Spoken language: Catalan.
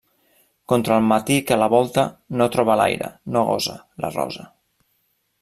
Contra el matí que la volta no troba l'aire, no gosa, la rosa.